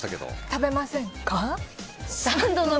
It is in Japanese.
食べませんか？